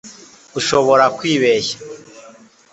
Urashobora kwibeshya